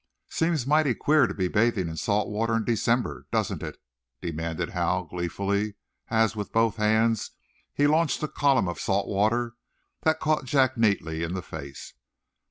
"Seems mighty queer to be bathing in salt water in December, doesn't it?" demanded Hal, gleefully, as, with both hands, he launched a column of salt water that caught Jack neatly in the face.